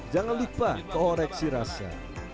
jangan lupa koreksi rasa